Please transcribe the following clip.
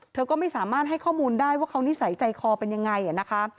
เธอก็ไม่สามารถให้ข้อมูลได้ว่าเขานิสัยใจคอเป็นยังไงนะคะ